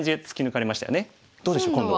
どうでしょう今度は。